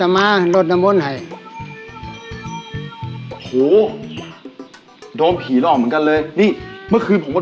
เมื่อคืนผมก็โดมผีหลอกเมื่อทั้งคืน